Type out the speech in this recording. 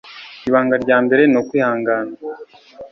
ibanga rya mbere nukwihangana